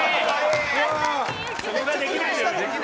それができないのよ。